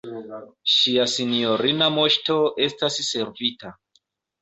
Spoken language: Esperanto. Ŝia sinjorina Moŝto estas servita!